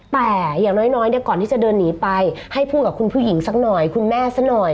แต่อย่างน้อยเนี่ยก่อนที่จะเดินหนีไปให้พูดกับคุณผู้หญิงสักหน่อยคุณแม่ซะหน่อย